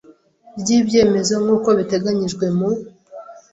ry ibyemezo nk uko bitegaganyijwe mu